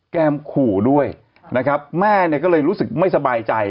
แก้มขู่ด้วยนะครับแม่เนี่ยก็เลยรู้สึกไม่สบายใจ